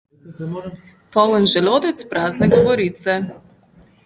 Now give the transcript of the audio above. Poln želodec, prazne govorice.